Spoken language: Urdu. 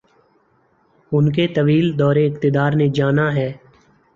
ان کے طویل دور اقتدار نے جانا ہے۔